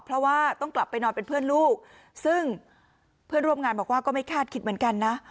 เพราะว่าต้องกลับไปนอนเป็นเพื่อนลูกซึ่งเพื่อนร่วมงานบอกว่าก็ไม่คาดคิดเหมือนกันนะ